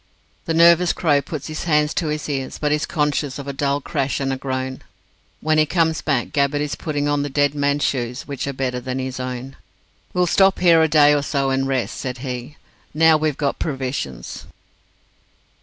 The nervous Crow puts his hand to his ears, but is conscious of a dull crash and a groan. When he comes back, Gabbett is putting on the dead man's shoes, which are better than his own. "We'll stop here a day or so and rest," said he, "now we've got provisions."